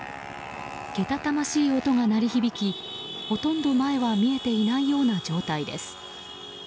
けたたましい音が鳴り響きほとんど前は見えていないような状態です。